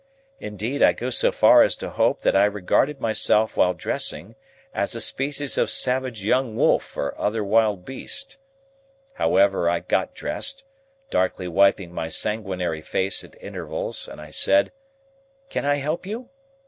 Indeed, I go so far as to hope that I regarded myself while dressing as a species of savage young wolf or other wild beast. However, I got dressed, darkly wiping my sanguinary face at intervals, and I said, "Can I help you?"